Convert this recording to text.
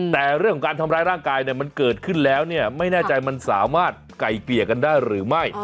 แต่เรื่องของการทำร้ายร่างกายเนี่ยมันเกิดขึ้นแล้วเนี่ยไม่แน่ใจมันสามารถไก่เกลี่ยกันได้หรือไม่